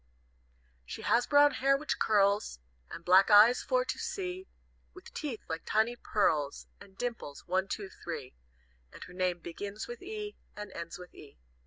"She has brown hair which curls, And black eyes for to see With, teeth like tiny pearls, And dimples, one, two three, And her name begins with E, and ends with E.